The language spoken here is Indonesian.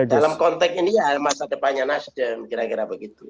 dalam konteks ini ya masa depannya nasdem kira kira begitu